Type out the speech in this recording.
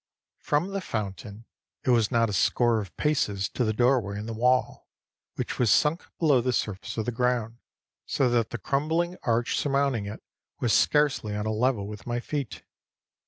From the fountain it was not a score of paces to the doorway in the wall, which was sunk below the surface of the ground, so that the crumbling arch surmounting it was scarcely on a level with my feet.